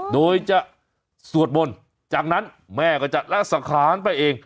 โดยจะสวดมนต์จากนั้นแม่ก็จะละสังขารไปเอง